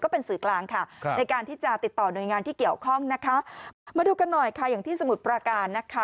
เป็นสื่อกลางค่ะครับในการที่จะติดต่อหน่วยงานที่เกี่ยวข้องนะคะมาดูกันหน่อยค่ะอย่างที่สมุทรประการนะคะ